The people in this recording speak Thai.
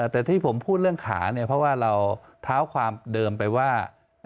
แต่ที่ผมพูดเรื่องขาเนี่ยเพราะว่าเราเท้าความเดิมไปว่า